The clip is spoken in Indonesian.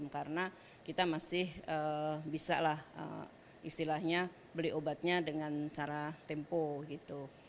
karena kita masih bisa lah istilahnya beli obatnya dengan cara tempo gitu